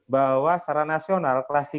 bahwa secara nasional kelas tiga